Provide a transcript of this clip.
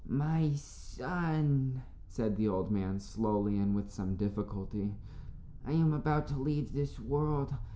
"My son," said the old man, slowly, and with some difficulty, "I am about to leave this world.